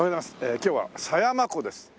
今日は狭山湖です。